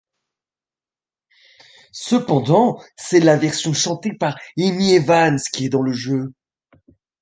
Cependant, c'est la version chantée par Emi Evans qui est dans le jeu.